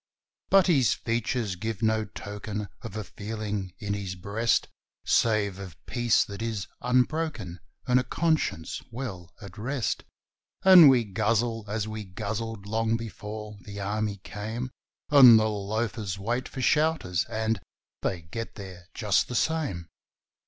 But his features give no token of a feeling in his breast, Save of peace that is unbroken and a conscience well at rest; And we guzzle as we guzzled long before the Army came, And the loafers wait for 'shouters' and they get there just the same.